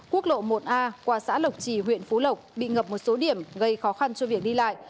quốc lộ một a qua xã lộc trì huyện phú lộc bị ngập một số điểm gây khó khăn cho việc đi lại